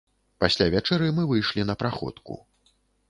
Пасля вячэры мы выйшлі на праходку.